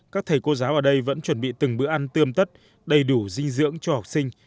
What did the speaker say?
các thầy cô giáo ở đây vẫn chuẩn bị từng bữa ăn tươm tất đầy đủ dinh dưỡng cho học sinh